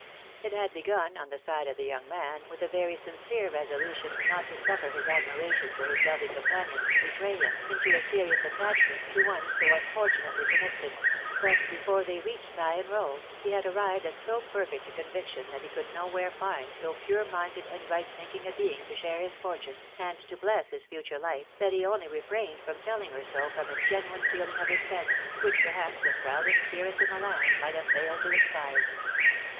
It had be gun, on the side of the young man, with a very sincere resolu tion not to suffer his admiration for his lovely companion to betray him into a serious attachment to one so unfortunately connected ; but, before they reached Sion Row, he had arrived at so perfect a conviction that he could nowhere find so pure minded and right thinking a being to share his fortune, and to bless his future life, that he only refrained from telling her so, from a genuine feeling of respect, which perhaps the proudest peeress in the land might have failed to inspire.